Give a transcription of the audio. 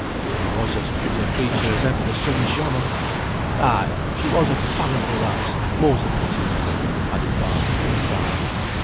"She was as pretty a creature as ever the sun shone on." "Ay, she was a farrantly lass; more's the pity now," added Barton, with a sigh.